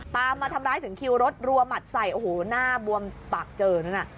มาทำร้ายถึงคิวรถรัวหมัดใส่โอ้โหหน้าบวมปากเจอนั่นน่ะ